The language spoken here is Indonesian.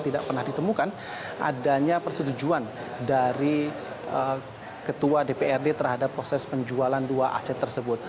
tidak pernah ditemukan adanya persetujuan dari ketua dprd terhadap proses penjualan dua aset tersebut